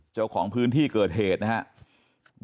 เจ้าของพื้นที่เกิดเหตุนะครับ